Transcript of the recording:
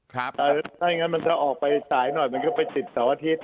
ถ้าอย่างนั้นมันจะออกไปสายหน่อยมันก็ไปติดเสาร์อาทิตย์